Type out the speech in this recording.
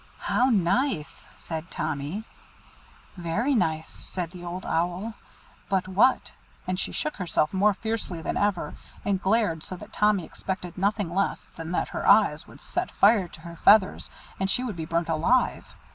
"How nice!" said Tommy. "Very nice," said the Old Owl. "But what" and she shook herself more fiercely than ever, and glared so that Tommy expected nothing less than that her eyes would set fire to her feathers and she would be burnt alive.